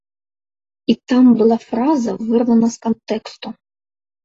І там была фраза вырвана з кантэксту!